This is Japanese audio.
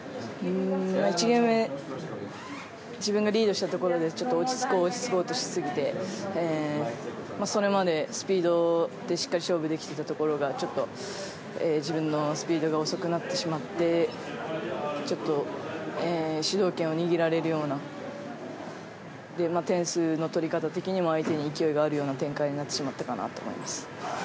１ゲーム目自分がリードしたところで落ち着こう、落ち着こうとしすぎてそれまでスピードでしっかり勝負できていたところがちょっと自分のスピードが遅くなってしまってちょっと主導権を握られるようなそれで、点数の取り方的にも相手に勢いがあるような展開になってしまったかなと思います。